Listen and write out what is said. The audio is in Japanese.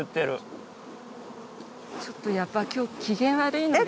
ちょっとやっぱ今日機嫌悪いので。